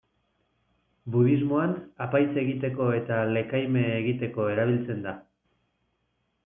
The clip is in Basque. Budismoan, apaiz egiteko eta lekaime egiteko erabiltzen da.